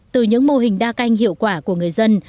từ những mô hình đa canh hiệu quả của người dân